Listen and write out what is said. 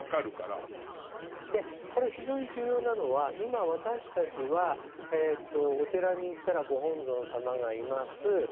でこれ非常に重要なのは今私たちはお寺に行ったらご本尊様がいます。